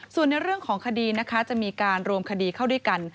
ส่วนในเรื่องของคดีนะคะจะมีการรวมคดีเข้าด้วยกัน